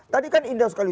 tadi kan indah sekali